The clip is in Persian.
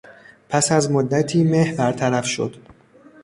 پس از مدتی مه برطرف شد.